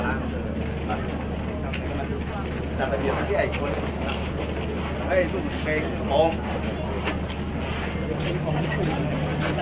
เมืองอัศวินธรรมดาคือสถานที่สุดท้ายของเมืองอัศวินธรรมดา